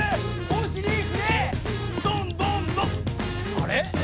あれ？